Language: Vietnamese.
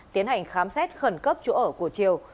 tiến hành khám xét khẩn cấp chỗ ở của triều